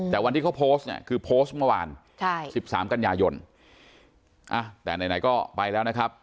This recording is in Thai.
แต่วันที่เขาโพสต์เนี่ยคือโพสต์เมื่อวาน๑๓กันยายนแต่ไหนก็ไปแล้วนะครับ